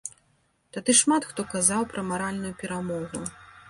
Тады шмат хто казаў пра маральную перамогу.